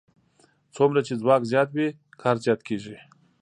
څومره چې ځواک زیات وي کار زیات کېږي.